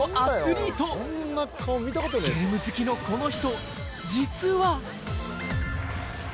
ゲーム好きのこの人、実は。